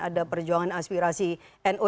ada perjuangan aspirasi no